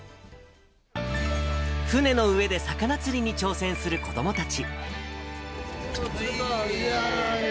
船の上で魚釣りに挑戦する子やったー。